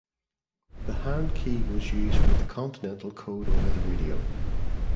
The hand key was used for the continental code over the radio.